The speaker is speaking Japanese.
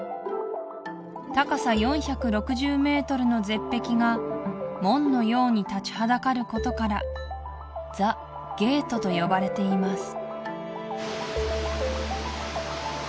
高さ４６０ｍの絶壁が門のように立ちはだかることからと呼ばれています